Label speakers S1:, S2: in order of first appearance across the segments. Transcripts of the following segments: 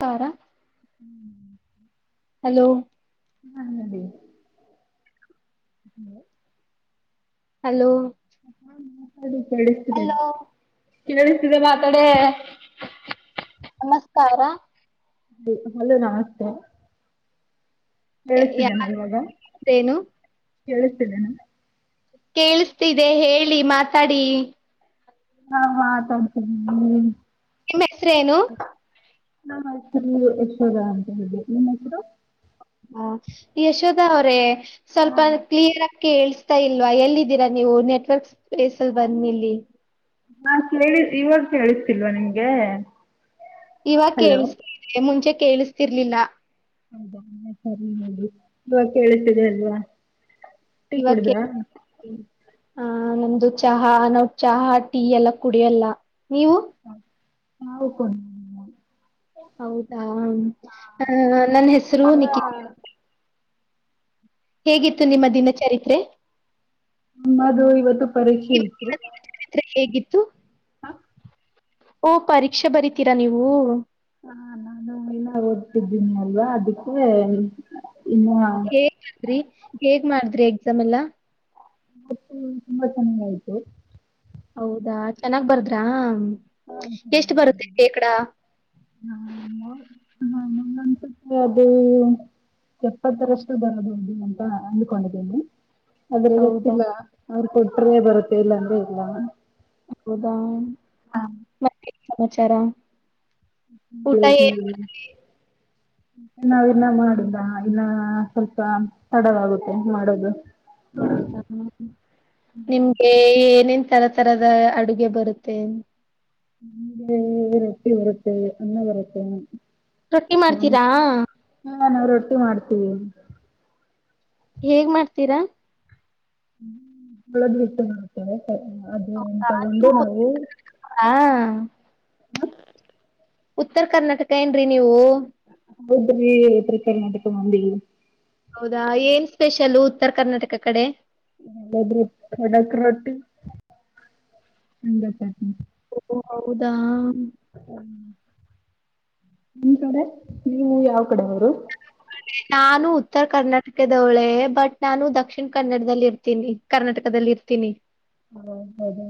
S1: ತಾಡ
S2: ಹಾ ಹೇಳಿ hello.
S1: Hello.
S2: ಹಾ ಮಾತಾಡಿ ಕೇಳಸ್ತಿದೆ.
S1: ಹಲೋ
S2: ಕೇಳಸ್ತಿದೆ ಮಾತಾಡೇ.
S1: ನಮಸ್ಕಾರ.
S2: ಹಲೋ ನಮಸ್ತೆೇ. ಕೇಳಸ್ತಿದೇನಾ ಇವಾಗ
S1: ಯಾವ್ದೇನು
S2: ಕೇಳಸ್ತಿದೇನಾ.
S1: ಕೇಳಸ್ತಿದೆ ಹೇಳಿ ಮಾತಾಡಿ.
S2: ಹಾ ಮಾತಾಡ್ತೇನೆ ಹ್ಮ್.
S1: ನಿಮ್ ಹೆಸರೇನು.
S2: ನಮ್ಮ ಹೆಸ್ರು ಯಶೋಧ ಅಂತ ಹೇಳಿ ನಿಮ್ ಹೆಸ್ರು.
S1: ಹಾ ಯಶೋದಾ ಅವ್ರೆ
S2: ಹಾ
S1: ಸ್ವಲ್ಪ ಕ್ಲಿಯರ್ ಆಗ್ ಕೇಳ್ಸ್ತಾ ಇಲ್ವಾ ಎಲ್ಲಿದ್ದೀರಾ ನೀವು ನೆಟ್ವರ್ಕ್ ಪ್ಲೇಸಲ್ಲ್ ಬಂದ್ ನಿಲ್ಲಿ.
S2: [unintelligible] ಇವಾಗ ಕೇಳ್ಸ್ತಿಲ್ವಾ ನಿಮ್ಗೆ.
S1: ಇವಾಗ್
S2: ಹಲೋ
S1: ಕೇಳ್ಸ್ತಿದೆ ಮುಂಚೆ ಕೇಳಿಸ್ತಿರ್ಲಿಲ್ಲ.
S2: ಹೌದಾ ಸರಿ ನೋಡಿ ಇವಾಗ್ ಕೇಳ್ಸ್ತಿದೆ ಅಲ್ವಾ. ಟೀ ಕುಡುದ್ರಾ.
S1: ಹಾ ನಮ್ದು ಚಹಾ ನಾವು ಚಹಾ ಟೀ ಎಲ್ಲ ಕುಡಿಯಲ್ಲ ನೀವು.
S2: ಹಾ ನಾವು [unintelligible]
S1: ಹೌದಾ ನನ್ ಹೆಸರು
S2: ನಮ್ಮ
S1: ನಿಖಿತ್ ಹೇಗಿತ್ತು ನಿಮ್ಮ ದಿನಚರಿತ್ರೆ.
S2: ನಮ್ಮದು ಇವತ್ತು ಪರೀಕ್ಷೆ ಇತ್ತು.
S1: ಚರಿತ್ರೆ ಹೇಗಿತ್ತು.
S2: ಹಾ
S1: ಓ ಪರೀಕ್ಷೆ ಬರಿತೀರಾ ನೀವು.
S2: ಹಾ ನಾನು ಇನ್ನ ಓದ್ತಿದ್ದೀನಿ ಅಲ್ವಾ ಅದಕ್ಕೆ.
S1: ಹಾ [unintelligible] ಹೇಗ್ ಮಾಡ್ದ್ರಿ ಎಕ್ಸಾಮ್ ಎಲ್ಲಾ.
S2: [unintelligible] ತುಂಬಾ ಚೆನ್ನಾಗಾಯ್ತು.
S1: ಹೌದಾ ಚೆನ್ನಾಗ್ ಬರ್ದ್ರಾ.
S2: [unintelligible] ಅದು ಎಪ್ಪತ್ತರಷ್ಟು ಬರಬಹುದು ಅಂತ ಅಂದ್ಕೊಂಡಿದ್ದೀನಿ. ಆದ್ರೆ
S1: ಹೌದಾ
S2: ಗೊತ್ತಿಲ್ಲ ಅವ್ರ್ ಕೊಟ್ರೇ ಬರುತ್ತೆ ಇಲ್ಲಾ ಅಂದ್ರೆ ಇಲ್ಲ.
S1: ಹೌದಾ.
S2: ಹಾ.
S1: ಮತ್ತೇನ್ ಸಮಾಚಾರ. ಊಟ
S2: ಹ್ಮ್
S1: ಏನ್
S2: ಹ್ಮ್. ನಾವಿನ್ನ ಮಾಡುದ ಇನ್ನ ಸ್ವಲ್ಪ ತಡವಾಗುತ್ತೆ ಮಾಡೋದು.
S1: ಹೌದಾ ನಿಮ್ಗೆ ಏನೇನ್ ತರ ತರದ ಅಡುಗೆ ಬರುತ್ತೆ
S2: ನಿ ರೊಟ್ಟಿ ಬರುತೆ ಅನ್ನ ಬರುತ್ತೆ
S1: ರೊಟ್ಟಿ ಮಾಡ್ತೀರಾ
S2: ನಾ ನಾವು ರೊಟ್ಟಿ ಮಾಡ್ತೀವಿ
S1: ಹೇಗ್ ಮಾಡ್ತೀರಾ
S2: ಒಳದ್ ಬಿಟ್ಟು ಮಾಡ್ತಾರೆ
S1: ಹೌ ಹಾ ಉತ್ತರ ಕರ್ನಾಟಕ ಏನ್ರಿ ನೀವು
S2: ಹೌದ್ರೀ ಇತ್ತರ ಕರ್ನಾಟಕ ಮಂದಿ
S1: ಹೌದಾ ಏನ್ ಸ್ಪೆಷಲ್ ಉತ್ತರ ಕರ್ನಾಟಕ ಕಡೆ
S2: ಖಡಕ್ ರೊಟ್ಟಿ ಹ
S1: ಓ ಹೌದಾ
S2: ನಿಮ್ ಕಡೆ ನೀವು ಯಾವ ಕಡೆ ಅವರು
S1: ಕದವಳೆ ಬಟ್ ನಾನು ದಕ್ಷಿಣ ಕನ್ನಡದಲ್ಲಿ ಇರ್ನೆ ಇತನಿ ಕರ್ನಾಟಕದಲ್ಲಿ ಇರ್ತೀನಿ
S2: ಹೌದಾ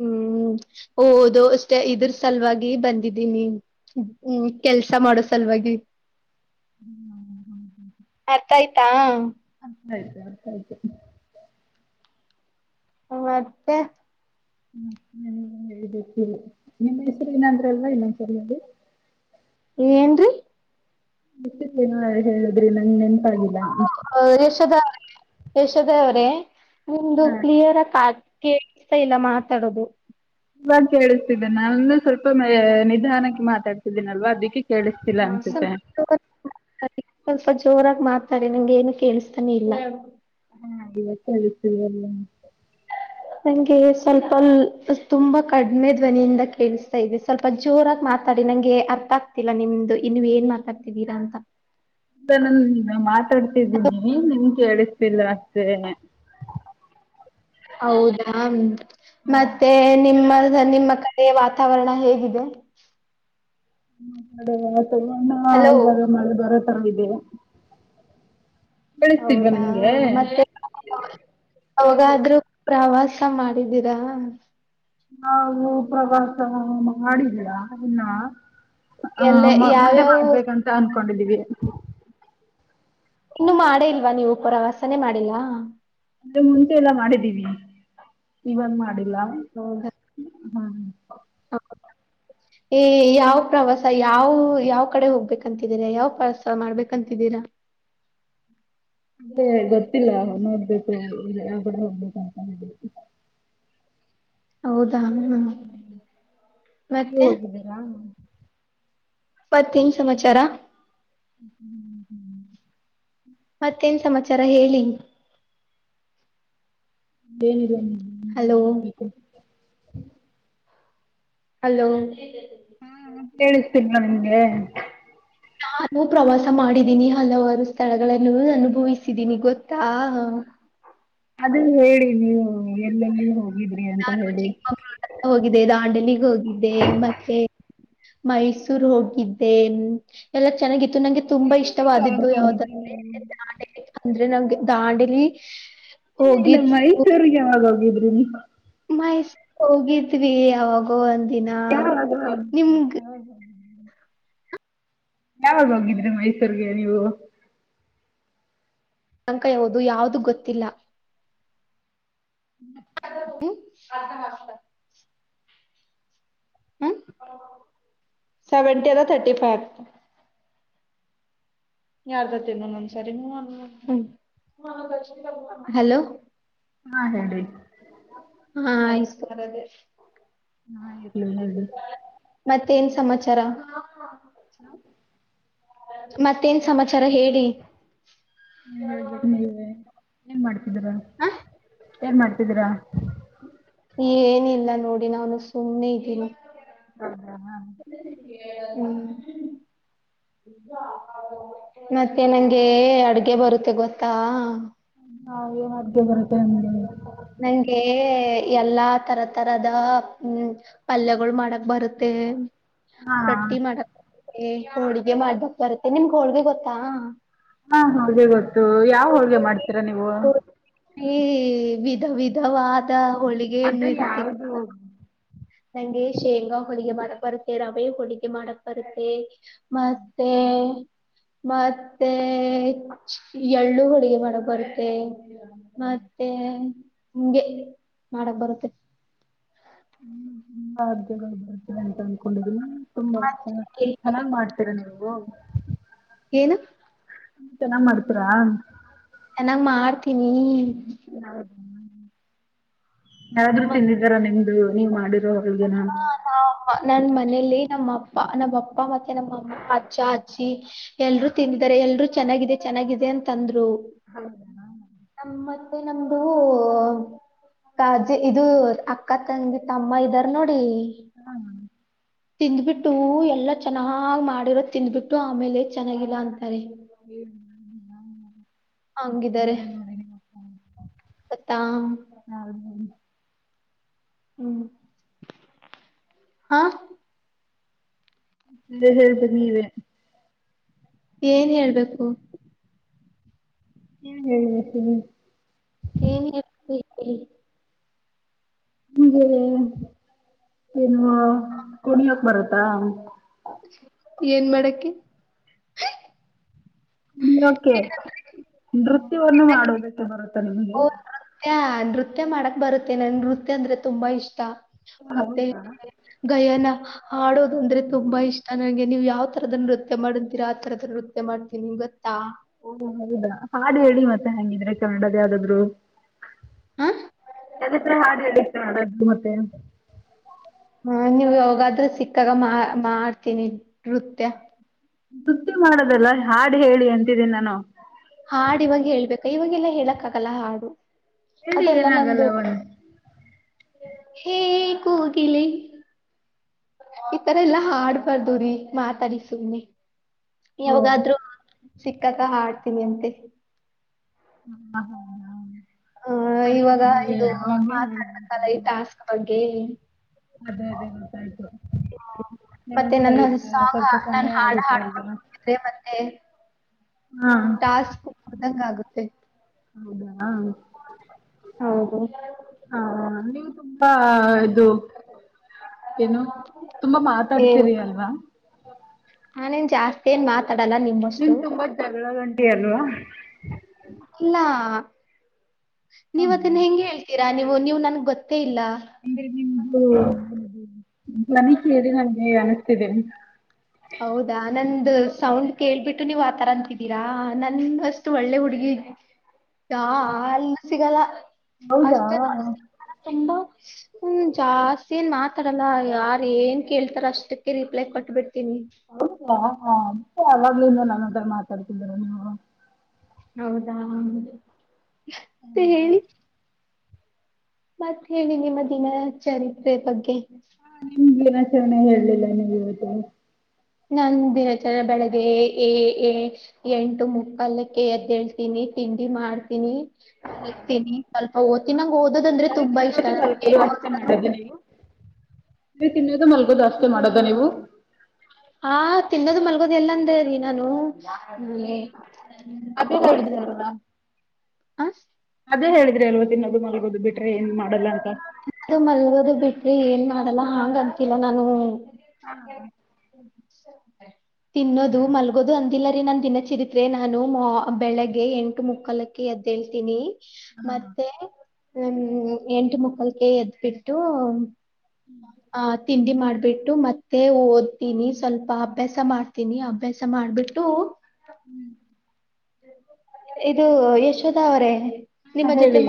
S1: ಹ್ಮ್ ಹ್ಮ ಹಓದು ಅಷ್ಟೇ ಇದರ ಸಲುವಾಗಿ ಬಂದಿದ್ದೀನಿ ಹ್ಮ ಕೆಲ್ಸ ಮಾಡೋ ಸಲ ವಾಗಿಗೆ
S2: ಹ್ಮ್ ಹ್ಮ್ ಹ್ಮ
S1: ಅರ್ಥ ಆಯ್ತಾ
S2: ಆಯ್ತು ಆಯ್ತು
S1: ಹ ಮತ್ತೆ
S2: ಹ್ಮ್ ಹ್ಮ ಹಳ್ಬೇಕ ನಿಮ್ಮ ಹೆಸರು ನ ಅಂದ್ರಲ್ವಾ ಇನ್ನೊಂದಸರಿಲ್ಲಿ
S1: ಏನು
S2: ನ ಹೇಳಿದ್ರಿ ನನಪನ್
S1: ಯಶೋಧ ಯಶೋಧ ಅವ್ರೇ ನಿಮ್ದು
S2: ಹಾ
S1: ಕ್ಲಿಯರ್ ಆಗ ಕೇೇಳತಾ ಇಲ್ಲ ಮಾತಾಡದು
S2: ಇಲ್ವ ಕೇಳಿಸ್ತಿದ್ದೇನೆ ನಾನ ಸ್ವಲ್ಪ ನಿಧಾನಕ್ಕೆ ಮಾತಾಡ್ತಿದ್ದೇನಲ್ವಾ ಅದಿಕ್ಕೆ
S1: ಕಲ್ಪ ಜೋರ ಮಾತಾಡಿ ನಂಗೆ ಏನು ಕೇಳಸ್ತಾನೆ ಇಲ್ಲ
S2: ಹಾ ಇವತ್ತ ಇತ ಎಲ್ಲ
S1: ನಂಗೆ ಸ್ವಲ್ಪ ತುಂಬಾ ಕಡಿಮೆ ಧ್ವನಿಯಿಂದ ಕೇಳಿಸ್ತಾ ಇದೆ ಸ್ವಲ್ಪ ಜೋರಾಗಿ ಮಾತ್ರ ನಂಗೆ ಅರ್ಥ ಆಗ್ತಿಲ್ಲ ನಿಮ್ದು ಇನ್ನು ಏನ್ ಮಾತಾಡ್ತಿದ್ದೀರಾ ಅಂತ
S2: ನಾನು ಮಾತಾಡ್ತಿದ್ದೀನಿ ನಿಮ್ಗೆ ಕೇಳಿಸ್ತಿಲ್ಲ ಮಷ್ಟೆ
S1: ಹೌದಾ ಮತ್ತೆ ನಿಮ್ಮ ನಿಮ್ಮ ಕಡೆೆಯ ವಾತಾವರಣ ಹೇಗಿದೆ
S2: ಕಡೆ ತಣ
S1: ಹಲೋ
S2: ಇವಾಗ ನಳೆ ಬರೋ ತರ ಇದೆ ಬೆಳಸ್ತಲ್ವಾ
S1: ಹೌದಾ
S2: ನಿಂಗೆ
S1: ಅವಾಗಾದ್ರೂ ಪ್ರವಾಸ ಮಾಡಿದೀರಾ
S2: ನಾವು ಪ್ರವಾಸ ಮಾಡಿದೀರಾ ಇನ್ನ
S1: ಎಲ್ಲ
S2: ಹ ಮುಂದೆ
S1: ಯಾವ್ಯಾವ
S2: ಮಾಡ್ಬೇಕಂತ ಅನ್ಕೊಂಡಿದ್ದೀವಿ
S1: ಇನ್ನು ಮಾಡೇ ಇಲ್ವಾ ನೀವು ಪ್ರವಾಸನೇ ಮಾಡಿಲ್ಲ
S2: ಅಂದೆ ಮುಂಚೆ ಎಲ್ಲ ಮಾಡಿದ್ದೀವಿ ಇವನ್ ಮಾಡಿಲ್ಲ
S1: ಹೌದಾ
S2: ಹ್ಮ್
S1: ಏ ಯಾವ ಪ್ರವಾಸ ಯಾವ ಯಾವ ಕಡೆ ಹೋಗ್ಬೇಕಂತಿದೀರಾ ಯಾವ್ ಪ್ರವಾಸ ಮಾಡ್ಬೇಕಂತಿದ್ದೀರಾ
S2: ಮತ್ತೇ ಗೊತ್ತಿಲ್ಲ ನೋಡ್ಬೇಕು ಯಾವ ಕೂಡ ಹೋಗ್ಬೇಕು ಅಂತ ಹೇಳ್ಬೇಕು
S1: ಹೌದಾ ಹ್ಮ
S2: ನೀವು
S1: ಮತ್ತೆ
S2: ಹೋಗಿದ್ದೀರಾ
S1: ಮತ್ತೇನು ಸಮಾಚಾರ
S2: ಹ್ಮ್ ಹ್ಮ್
S1: ವಿಚರ ಹೇಳಿ.
S2: ಏನಿಲ್ಲ ನೀವೇ
S1: ಹಲೋ
S2: ಹೇಳ್ಬೇಕು. [inaudible]
S1: ಹಲೋ
S2: ಹಾ ಮ ಕೇಳಿಸ್ತಿಲ್ವ ನಿಮ್ಗೆ.
S1: ನಾನು ಪ್ರವಾಸ ಮಾಡಿದ್ದೀನಿ ಹಲವಾರು ಸ್ಥಳಗಳನ್ನು ಅನುಭವಿಸಿದೀನಿ ಗೊತ್ತಾ.
S2: ಅದೇ ಹೇಳಿ ನೀವು ಎಲ್ಲೆಲ್ಲಿ ಹೋಗ್ ಹಿದ್ರಿ ನಿವು ಅಂತ ಹೇಳಿ.
S1: ಮಂಡನಿಗೆ ಹೋಗಿದ್ದೆ ಮತ್ತೆ. ಮೈಸೂರ್ ಹೋಗಿದ್ದೆ ಎಲ್ಲಾ ಚೆನ್ನಾಗಿತ್ತು. ನಂಗೆ ತುಂಬಾ
S2: ಮೈಸೂರಿಗೆ ಯಾವಾಗ
S1: ಇಷ್ಟವಾದಿದ್ದು
S2: ಹೋಗಿದ್ರಿ
S1: ಯಾವ್ದಂದ್ರೆ
S2: ನೀವು?
S1: ದಾಂಡಲಿ ಅಂದ್ರೆ ನಂಗೆ ದಾಂಡಿಲಿ.
S2: ಇಲ್ಲ ಇಲ್ಲ ಮೈಸೂರಿಗೆ ಯಾವಾಗ ಹೋಗಿದ್ರಿ ನೀವು.
S1: ಹ ಹೋಗಿದ್ವಿ ಅವಾಗೋ ಒಂದ ದಿನ
S2: ಯಾವಾಗ
S1: ನಿಮಗ್
S2: ಯಾವಾಗ ಹೋಗಿದ್ರಿ ಮೈಸೂರ್ಗೆ ನೀವು.
S1: ಅಂಕ ಯಾವುದು ಯಾದು ಗೊತ್ತಿಲ್ಲ.
S2: [inaudible]
S1: ಅರ್ಧ ಮಾಡ್ತ. ಹ್ಮ ಸೆವೆಂಟಿ ತರ್ಟಿ ಫೈವ್. ಹಲೋ
S2: ಹಾ ಹೇಳಿ.
S1: ಹಾ ಆಯ್ತು
S2: ನಾ ಇರಲಲ್ಲ ಇಡು.
S1: ಮತ್ತೇನ್ ಸಮಾಚಾರ.
S2: [inaudible]
S1: ಮತ್ತೇನ್ ಸಮಾಚಾರ ಹೇಳಿ.
S2: ಹ ಹೇಳ್ಬೇಕು ನೀವೇ ಏನ್ ಮಾಡ್ತಿದಿರ.
S1: ಹ
S2: ಏನ್ ಮಾಡ್ತಿದೀರಾ.
S1: ಏನಿಲ್ಲ ನೋಡಿ ನಾನು ಸುಮ್ಮನೆ ಇದ್ದೀನಿ. ಹ್ಮ್ ಮತ್ತೆ ನಂಗೆ ಅಡ್ಗೆ ಬರುತ್ತೆ ಗೊತ್ತಾ.
S2: ಹಾ ಏನ್ ಅದ್ದೆ ಬರುತ್ತೆ ಅ
S1: ನಂಗೆ ಎಲ್ಲಾ ತರ ತರದ ಹ್ಮ್ ಪಲ್ಯಗಳು ಮಾಡಕ್ ಬರುತ್ತೆ.
S2: ಹಾ
S1: ರೊಟ್ಟಿ ಮಾಡಕ್ ಬರುತ್ತೆ ಹೋಳ್ಗೆ ಮಾಡ್ಕ್ ಬರುತ್ತೆ ನಿಮಗೆ ಹೋಳ್ಗೆ ಗೊತ್ತಾ.
S2: ಹಾ ಹಾಗೆ ಗೊತ್ತು ಯಾವ ಹೋಳ್ಗೆ ಮಾಡ್ತೀರಾ ನೀವು.
S1: ಹೋಳ್ಗೆ ಈ ವಿಧ ವಿಧವಾದ ಹೋಳಿಗೆ ಹಣ್ಣು
S2: ಅದೇ
S1: ಇರುತ್ತೆ
S2: ಯಾವ್ದು
S1: ಗೋತ್ತ. ನಂಗೆ ಶೇಂಗಾ ಹೋಳಿಗೆ ಮಾಡಕ್ ಬರುತ್ತೆ ರವೆ ಹೋಳಿಗೆ ಮಾಡಕ್ ಬರುತ್ತೆ ‌. ಮತ್ತೆ ಮತ್ತೆ ಎಳ್ಳು ಹೊಳಿಗೆ ಮಾಡಕ್ ಬರುತ್ತೆ. ಮತ್ತೆ ಹಿಂಗೆ ಮಾಡಕ್ ಬರುತ್ತೆ.
S2: ಅ ಜ ಬರ್ತ ಅಂತ ಅನ್ಕೊಂಡಿದೀನಿ. ತುಂಬಾ ಚ
S1: ಮತ್ತೆ
S2: ಚೆನ್ನಾಗ್ ಮಾಡ್ತೀರ ನೀವು.
S1: ಏನು
S2: ಚೆನ್ನಾಗ್ ಮಾಡ್ತೀರಾ.
S1: ಚೆನ್ನಾಗ್ ಮಾಡ್ತೀನಿ.
S2: ಯಾರಾದ್ರು ತಿಂದಿದ್ದಾರ ನಿಮ್ದು ನೀವ್ ಮಾಡೀದ್ದು.
S1: ಹ ನನ್ ಮನೇಲಿ. ನಮ್ಮ ಅಪ್ಪ ನಮ್ಮಪ್ಪ ಮತ್ತೆ ನಮ್ಮ ಅಮ್ಮ ಅಜ್ಚ್ಚ ಅಜ್ಜಿ ಎಲ್ಲರು ತಿಂದಿದ್ದಾರೆ ಎಲ್ಲರು ಚೆನ್ನಾಗಿದೆ. ಚೆನ್ನಾಗಿದೆ ಅಂತಂದ್ರು.
S2: ಹೌದ ಹ
S1: ನಮ್ ಮತ್ತೆ ನಮ್ದು ಇದು ಅಕ್ಕ ತಂಗಿ ತಮ್ಮ ಇದ. ನೋಡಿ.
S2: ಹ.
S1: ತಿಂದ್ಬಿಟ್ಟು ಎಲ್ಲ ಚೆನ್ನಾಗ್ ಮಾಡಿರೋ ತಿಂದ್ಬಿಟ್ಟು ಆಮೇಲೆ ಚೆನ್ನಾಗಿಲ್ಲ ಅಂತ.
S2: ಹ್ಮ [inaudible]
S1: ಹಂಗಿದ್ದಾರೆ
S2: ಮಾಡ ಹ
S1: ಗೊತ್ತಾ
S2: [inaudible]
S1: ಹ್ಮ್ ಹಾ.
S2: [unintelligible] ಹೇಳ್ನೀವೆ.
S1: ಏನ್ ಹೇಳ್ಬೇಕು.
S2: ಏನ್ ಹೇಳಬೇಕ ಹ್ಮ.
S1: ಏನ್ ಹೇಳ. [unintelligible]
S2: ಹಗೆ ಏನು ಕುಣಿಯಕ್ ಬರತ್ತಾ.
S1: ಏನ್ ಮಾಡಕ್ಕೆ
S2: ಕೆ ನೃತ್ಯವನ್ನು ಮಾಡೋದಕ್ಕೆ ಬರುತ್ತಾ ನಿಮ್ಗೆ.
S1: ಓ! ನೃತ್ಯ, ನೃತ್ಯ ಮಾಡಕ್ ಬರುತ್ತೆ ನನ್ ನೃತ್ಯ ಅಂದ್ರೆ ತುಂಬಾ ಇಷ್ಟ.
S2: ಹೌದಾ.
S1: ಗಯನ ಆಡೋದು ಅಂದ್ರೆ ತುಂಬಾ ಇಷ್ಟ ನಂಗೆ. ನೀವು ಯಾವ ತರದನ್ನ ನೃತ್ಯ ಮಾಡ್ ಅಂತೀರಾ ಆ ತರದ ನೃತ್ಯ ಮಾಡ್ತೀನಿ ನಿಂಗ.
S2: ಓದ ಹೌದಾ ಹಾಡು ಹೇಳಿ ಮತ್ತೆ ಹಂಗಿದ್ರೆ ಕನ್ನಡದ ಯಾವ್ದಾದ್ರು.
S1: ಹಾ?
S2: ಎಲ್ಲತ್ರ ಹಾಡ್ ಹೇಳು ಮತ್ತೆ.
S1: ನಾ ನೀವ್ ಯೋಗಾದ್ರೆ ಸಿಕ್ಕಾಗ ಮಾ ಮಾಡ್ತೀನಿ ನೃತ್ಯ.
S2: ನೃತ್ಯ ಮಾಡದಲ್ಲ ಹಾಡು ಹೇಳಿ ಅಂತಿದ್ದೀನಿ ನಾನು.
S1: ಹಾಡು ಇವಾಗ ಹೇಳ್ಬೇಕ ಇವಾಗೆಲ್ಲಾ ಹೇಳಕ್ ಆಗಲ್ಲ ಹಾಡು.
S2: ಹೇಳಿ
S1: ಅದೆಲ್ಲ
S2: ಏನಾಗಲ್ಲ
S1: ನಮ್ದು
S2: ಅವ
S1: ಹೇ ಕೋಗಿಲೆ. ಈತರ ಎಲ್ಲಾ ಹಾಡ್ಬಾರ್ದುರೀ ಮಾತಾಡಿ ಸುಮ್ನೆ. ಯಾವಾಗಾದ್ರೂ [inaudible] ಸಿಕ್ಕಾಗ ಹಾಡ್ತೀನಿ ಅಂತೆ.
S2: ಹ ಹೌ ಹ [inaudible]
S1: ಹ ಇವಾಗ ಇದು
S2: ಹೇಳಿದ್ರಿ
S1: ಮಾತಾಡ್ಬೇಕಲ್ಲ ಈ ಟಾಸ್ಕ್ ಬಗ್ಗೆ.
S2: ಅದೇ ಅದೇ ಗೊತ್ತಾಯ್ತು.
S1: ಮತ್ತೆ
S2: ನಿಮಊಟ
S1: ನನ್ನ ಸಾಂಗ್
S2: ಸ್ವಲ್ಪ
S1: ನಾನು
S2: ಸಮಯ
S1: ಹಾಡ
S2: ಆಗುತ್ತಲ್ವಾ.
S1: ಹಾಡ್ಕೊಂಡು ಕೂತಿದ್ರೆ ಮತ್ತೆ ಟಾಸ್ಕ್ [unintelligible] ಆಗುತ್ತೆ.
S2: ಹೌದಾ ಹ
S1: ಹೌದು
S2: ನೀವು. [unintelligible] ಹ ಇದು ಏನು ತುಂಬಾ
S1: ಏನು
S2: ಮಾತಾಡ್ತೀರಿ ಅಲ್ವಾ.
S1: ನಾನೇನ್ ಜಾಸ್ತಿ ಏನ್ ಮಾತಾಡಲ್ಲ ನಿಮ್ಮಷ್ಟು
S2: ನಿನ್ ತುಂಬ್ದ ಜಗಳ ಗಂಟಿ ಅಲ್ವಾ.
S1: ಇಲ್ಲಾ ನೀವತ್ತನ್ನ ಹೆಂಗ ಹೇಳ್ತೀರಾ ನೀವು ನೀವು ನನ್ಗ್ ಗೊತ್. ಗೊತ್ತೆ ಇಲ್ಲ.
S2: [unintelligible] ಅನಿಸ್ತಿದ್ದೀನೆ.
S1: ಹೌದಾ ನಂದ ಸೌಂಡ್ ಕೇಳ್ಬಿಟ್ಟು ನೀವ್ ಆತರ ಅಂತಿದ್ದೀರಾ ನಂದ ಅಷ್ಟು ಒಳ್ಳೆ ಹುಡುಗಿ. ಯಾ ಅಲ್ಲ ಸಿಗಲ್ಲ
S2: ಹೌದಾ
S1: ಅಷ್ಟೇ ತುಂಬಾ. ಹ್ಮ ಜಾಸ್ತಿ ಏನ್ ಮಾತಾಡಲ್ಲ ಯಾರ ಏನ್ ಕೇಳ್ತಾರ ಅಷ್ಟಕ್ಕೆ ರಿಪ್ಲೈ ಕೊಟ್ಬಿಟ್ಟ.
S2: ಹೌದಾ ಹ ಯಾವಾಗ್ಲ ಇನ್ನು ನನ್ನತ್ರ ಮಾತಾಡ್ತಿದ್ದರ ನೀವು.
S1: ಹೌದಾ.
S2: ಹ್ಮ
S1: ಮತ್ತ ಹೇಳಿ ನಿಮ್ಮ ದಿನ ಚರಿತ್ರೆ ಬಗ್ಗೆ.
S2: ಹಾ ನಿಮಗೆ ದಿನಾಚರಣೆ ಹೇಲಿಲ್ಲ ನಿಮ್ಗೆ ಇವತ್ತ.
S1: ನನ್ ಧೀನಾಥರ ಬೆಳಗ್ಗೆ ಎ ಎ ಎಂಟು ಮುಕ್ಕಾಲಕ್ಕೆ ಎದ್ ಹೇಳ್ತೀನಿ. ತಿಂಡಿ ಮಾಡ್ತೀನಿ. ಅತೀನಿ ಸ್ವಲ್ಪ ಓದ್ತಿನಂಗ ಓದದ ಅಂದ್ರೆ ತುಂಬಾ ಇಷ್ಟಾನ.
S2: ಹ [inaudible] ನೀ ತಿನ್ವೋದು ಮಲ್ಗೋದ್ ಅಷ್ಟೇ ಮಾಡದ ನೀವು.
S1: ಹಾ ತಿನ್ನೋದು ಮಲ್ಗೋದ್ ಎಲ್ಲಂದೇ ನಿನನು.
S2: [inaudible]
S1: ಹಾ.
S2: ಅದೇ ಹೇಳಿದ್ರಿ ಅಲ್ವ ತಿನ್ನೋದು ಮಲ್ಗೋದು ಬಿಟ್ರೆ ಏನ್ ಮಾಡಲ್ಲ ಅಂತ.
S1: ತಿನ್ನೋದು ಮಾಲ್ಗೋದು ಬಿಟ್ರಿ ಏನ್ ಮಾಡಲ್ಲ ಹಾಂಗ ಅಂತಿಲ್ಲ ನಾನು -
S2: ಹಾ.
S1: ತಿನ್ನೋದು ಮಲ್ಗೋದು ಅಂದಿಲ್ಲ ರೀ ನಾನ್ ದಿನಚಿರಿತ್ರೆ ನಾನು ಮ ಬೆಳಿಗ್ಗೆ ಎಂಟು ಮುಕ್ಕಾಲಕ್ಕೆ ಎದ್ದೇಳ್ತೀನಿ. ಮತ್ತೆ ಹ್ ಎಂಟು ಮಕ್ಕಾಳಿಕ್ಕೇ ಎದ್ಬಿಟ್ಟು. ಆ ತಿಂಡಿ ಮಾಡ್ಬಿಟ್ಟು ಮತ್ತೆ ಓದ್ತೀನಿ ಸ್ವಲ್ಪ ಅಭ್ಯಾಸ ಮಾಡ್ತೀನಿ ಅಭ್ಯಾಸ ಮಾಡ ಮಾಡಬಿಟ್ಟು ಇದು ಯಶೋದಾ ಅವ್ರೆ
S2: ಹಾ ಹೇಳಿ.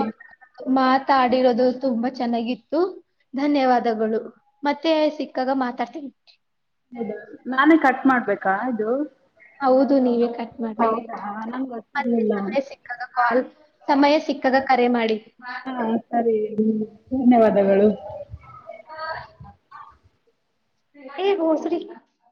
S1: ಮಾತಾಡಿರೋದು ತುಂಬಾ ಚೆನ್ನಾಗಿತ್ತು. ಧನ್ಯವಾದಗಳು ಮತ್ತೆ ಸಿಕ್ಕಾಗ ಮಾತಾಡ್ತೀನಿ.
S2: ಹೌದಾ ನಾನೇ ಕಟ್ ಮಾಡ್ಬೇಕಾ ಇದು.
S1: ಹೌದು ನೀವೇ ಕಟ್ ಮಾಡ್ಬೇಕು
S2: ಹೌದಾ ನಂಗೆ
S1: ಮತ್ತೆ
S2: ಗೊತ್ತಿರ್ಲಿಲ್ಲ
S1: ಸಮಯ ಸಿಕ್ಕಾಗ ಕಾಲ್ ಸಮಯ ಸಿಕ್ಕಾಗ ಕರೆ ಮಾಡಿ.
S2: ಹಾ ಸರಿ ಧನ್ಯವಾದಗಳು.
S1: [unintelligible]